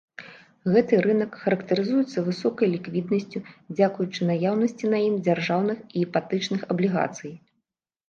Гэты рынак характарызуецца высокай ліквіднасцю дзякуючы наяўнасці на ім дзяржаўных і іпатэчных аблігацый.